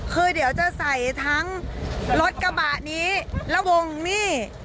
คือเดี๋ยวจะใส่ทั้งรถกระบะนี้แล้ววงหนี้